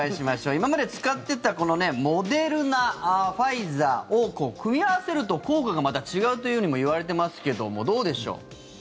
今まで使っていたこのモデルナ、ファイザーを組み合わせると効果がまた違うともいわれていますけどもどうでしょう？